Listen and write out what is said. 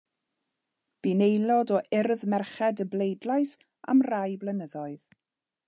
Bu'n aelod o Urdd Merched y Bleidlais am rai blynyddoedd.